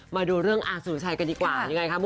มาดูเรื่องอาสุรชัยกันดีกว่ายังไงคะ